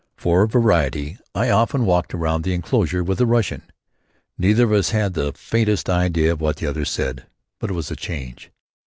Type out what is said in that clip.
For variety I often walked around the enclosure with a Russian. Neither of us had the faintest idea what the other said, but it was a change!